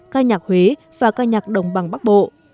ca nhạc huế và ca nhạc đồng bằng bắc bộ